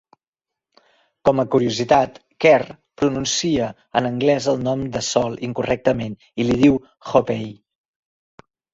Com a curiositat, Kerr pronuncia en anglès el nom de Sol incorrectament i li diu "hope-y".